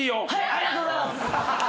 ありがとうございます！